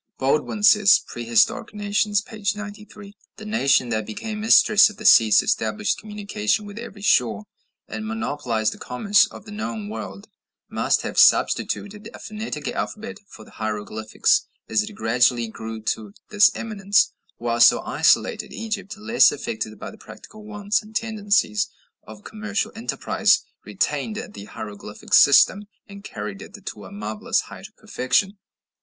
Baldwin says ("Prehistoric Nations," p. 93): "The nation that became mistress of the seas, established communication with every shore, and monopolized the commerce of the known world, must have substituted a phonetic alphabet for the hieroglyphics as it gradually grew to this eminence; while isolated Egypt, less affected by the practical wants and tendencies of commercial enterprise, retained the hieroglyphic system, and carried it to a marvellous height of perfection."